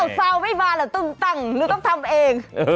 ซาวไม่มาเหรอตุ้มตั้งหรือต้องทำเอง